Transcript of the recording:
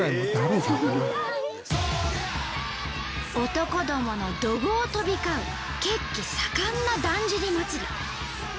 男どもの怒号飛び交う血気盛んなだんじり祭。